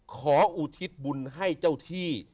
อุทิศบุญให้เจ้าที่